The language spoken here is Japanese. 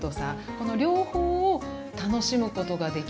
この両方を楽しむことができる。